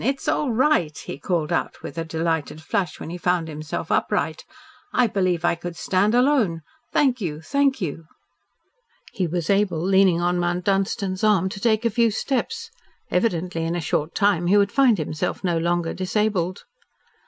It's all right," he called out with a delighted flush, when he found himself upright. "I believe I could stand alone. Thank you. Thank you." He was able, leaning on Mount Dunstan's arm, to take a few steps. Evidently, in a short time, he would find himself no longer disabled.